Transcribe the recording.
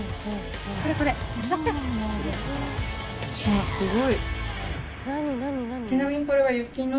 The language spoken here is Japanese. あっすごい。